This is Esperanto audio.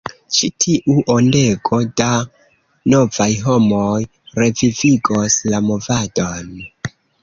Ĉi tiu ondego da novaj homoj revivigos la movadon!